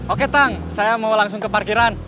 oke kang saya mau langsung ke parkiran